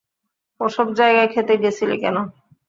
ওসব জায়গায় খেতে গেছিলি কেন!